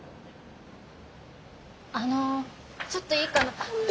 あのちょっといいかな。